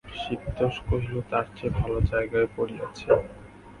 শিবতোষ কহিল, তার চেয়ে ভালো জায়গায় পড়িয়াছে।